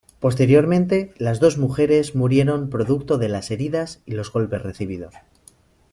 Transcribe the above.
Posteriormente las dos mujeres murieron producto de las heridas y los golpes recibidos.